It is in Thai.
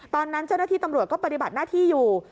ตอนนั้นเจ้าหน้าที่ตำรวจก็ปฏิบัติหน้าที่อยู่